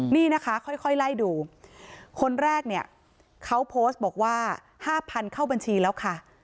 นี่นะคะค่อยไล่ดูคนแรกเนี่ยเขาโพสต์บอกว่า๕๐๐เข้าบัญชีแล้วค่ะ